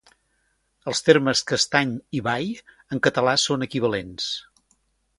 Els termes castany i bai en català són equivalents.